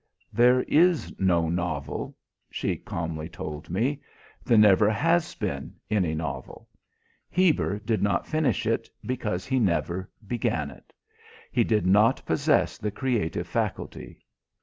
"There is no novel," she calmly told me. "There never has been any novel. Heber did not finish it because he never began it. He did not possess the creative faculty.